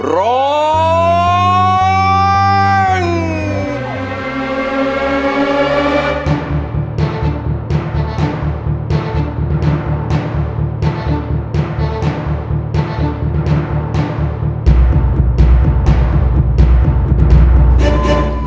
ร้อง